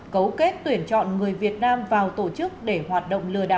cấu kết tuyển chọn người việt nam vào tổ chức để hoạt động lừa đảo